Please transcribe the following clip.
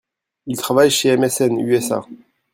Il travaille chez MSN - USA.